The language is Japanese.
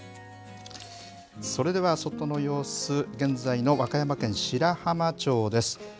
それでは外の様子、現在の和歌山県白浜町です。